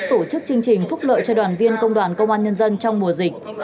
tổ chức chương trình phúc lợi cho đoàn viên công an nhân dân trong mùa dịch